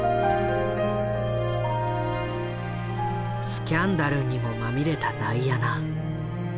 スキャンダルにもまみれたダイアナ。